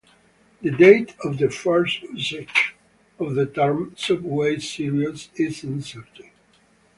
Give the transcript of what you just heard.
The date of the first usage of the term "Subway Series" is uncertain.